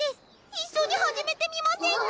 一緒に始めてみませんか？